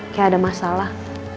kayak ada masalah